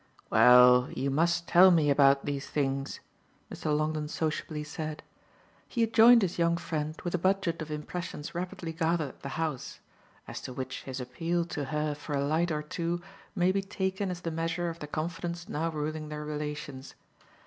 "Well, you must tell me about these things," Mr. Longdon sociably said: he had joined his young friend with a budget of impressions rapidly gathered at the house; as to which his appeal to her for a light or two may be taken as the measure of the confidence now ruling their relations.